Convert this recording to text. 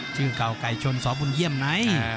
ชื่อเก่าไก่ชนสบุญเยี่ยมไหน